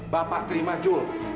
bapak terima julie